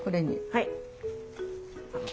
はい。